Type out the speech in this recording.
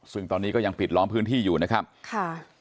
ซึ่งตอนนี้ก็ยังปิดล้อมพื้นที่อยู่นะครับค่ะ